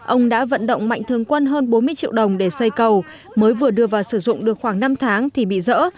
ông đã vận động mạnh thường quân hơn bốn mươi triệu đồng để xây cầu mới vừa đưa vào sử dụng được khoảng năm tháng thì bị dỡ